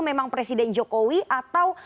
memang presiden jokowi atau